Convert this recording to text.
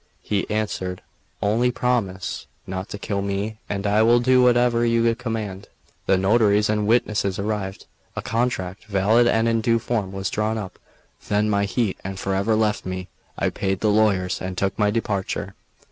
He answered: "Only promise not to kill me, and I will do whatever you command." The notaries and witnesses arrived; a contract, valid and in due form, was drawn up; then my heat and fever left me. I paid the lawyers and took my departure.